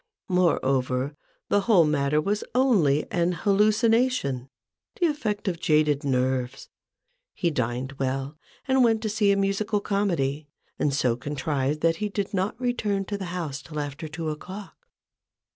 Moreover, the whole matter was only an hallucination— the effect of jaded nerves. He dined well, and went to see a musical comedy ; and so contrived, that he did not return to the house till after two o'clock.